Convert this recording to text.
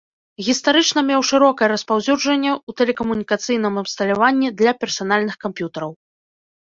Гістарычна меў шырокае распаўсюджанне ў тэлекамунікацыйным абсталяванні для персанальных камп'ютараў.